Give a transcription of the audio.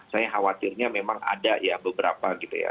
saya khawatirnya memang ada ya beberapa gitu ya